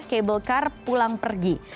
cable car pulang pergi